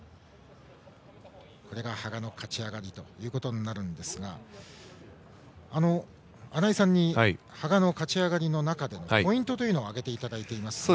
これが羽賀の勝ち上がりということになりますが穴井さんに羽賀の勝ち上がりの中でポイントを挙げていただきます。